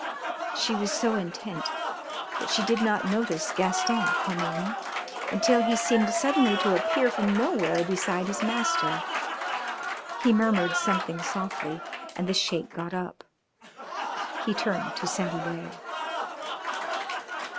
She was so intent that she did not notice Gaston come in until he seemed suddenly to appear from nowhere beside his master. He murmured something softly and the Sheik got up. He turned to Saint Hubert.